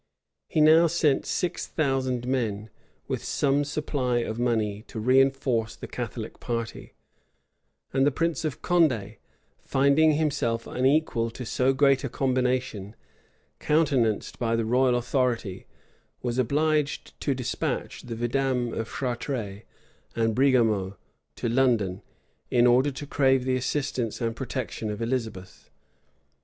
He now sent six thousand men, with some supply of money, to reënforce the Catholic party; and the prince of Condé, finding himself unequal to so great a combination, countenanced by the royal authority, was obliged to despatch the Vidame of Chartres and Briguemaut to London, in order to crave the assistance and protection of Elizabeth.